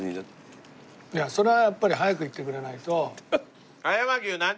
いやそれはやっぱり早く言ってくれないと。